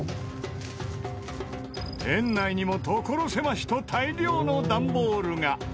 店内にも所狭しと大量のダンボールが。